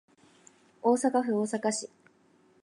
大阪府大阪市